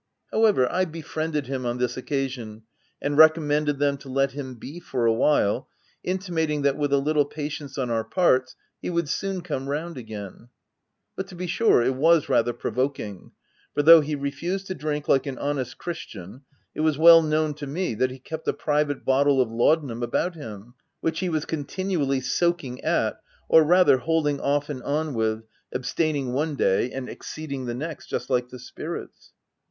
However, I befriended him on this occasion, and recommended them to let him be for a while, intimating that, with a little patience on our parts, he would soon come round again — But, to be sure, it was rather provoking ; for though he refused to drink like an honest christian, it was well known to me, that he kept a private bottle of laudanum about him, which he was continually soaking at — or rather, holding off and on with, abstaining one day and exceeding the next, just like the spirits.